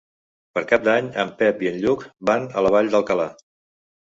Per Cap d'Any en Pep i en Lluc van a la Vall d'Alcalà.